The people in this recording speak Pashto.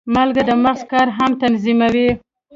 مالګه د مغز کار هم تنظیموي.